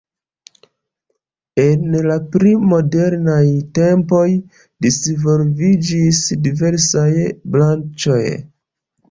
En la pli modernaj tempoj disvolviĝis diversaj branĉoj.